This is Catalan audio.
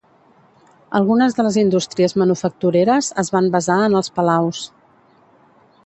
Algunes de les indústries manufactureres es van basar en els palaus.